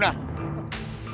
dia tidak berguna